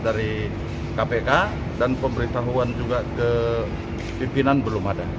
dari kpk dan pemberitahuan juga ke pimpinan belum ada